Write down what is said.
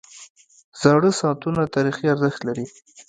• زاړه ساعتونه تاریخي ارزښت لري.